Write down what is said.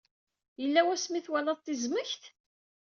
Yalla wasmi twalaḍ tizmekt?